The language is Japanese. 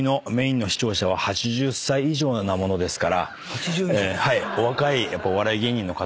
８０以上？